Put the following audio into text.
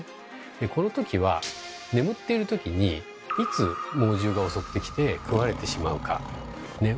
でこの時は眠っている時にいつ猛獣が襲ってきて食われてしまうかねっ分からない